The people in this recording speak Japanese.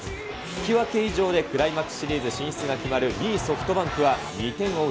引き分け以上でクライマックスシリーズ進出が決まる２位ソフトバンクは、２点を追う